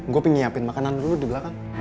gue pengen nyiapin makanan dulu di belakang